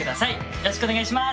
よろしくお願いします。